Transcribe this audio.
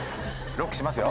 ＬＯＣＫしますよ？